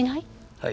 はい。